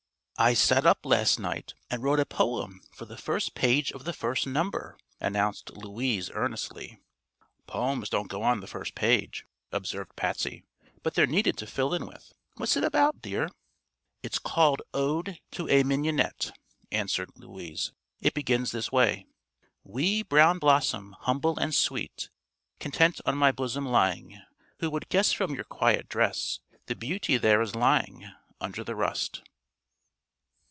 "I sat up last night and wrote a poem for the first page of the first number," announced Louise earnestly. "Poems don't go on the first page," observed Patsy; "but they're needed to fill in with. What's it about, dear?" "It's called 'Ode to a Mignonette,'" answered Louise. "It begins this way: "Wee brown blossom, humble and sweet, Content on my bosom lying, Who would guess from your quiet dress The beauty there is lying Under the rust?"